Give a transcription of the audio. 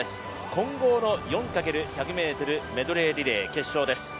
混合の４×１００ｍメドレーリレー決勝です。